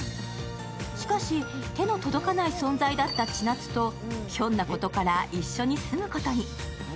しかし、手の届かない存在だった千夏とひょんなことから一緒に住むことに。